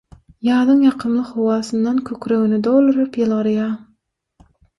Ýazyň ýakymly howasyndan kükregini dolduryp ýylgyrýar.